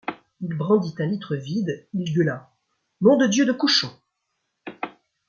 Il brandit un litre vide, il gueula :— Nom de Dieu de cochon !